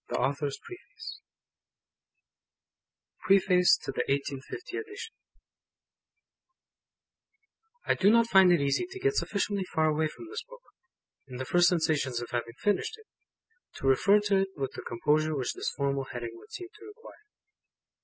A Last Retrospect PREFACE TO 1850 EDITION I do not find it easy to get sufficiently far away from this Book, in the first sensations of having finished it, to refer to it with the composure which this formal heading would seem to require.